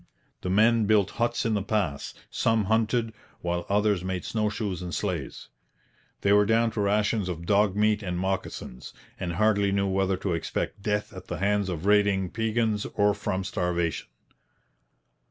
The men built huts in the pass; some hunted, while others made snow shoes and sleighs. They were down to rations of dog meat and moccasins, and hardly knew whether to expect death at the hands of raiding Piegans or from starvation.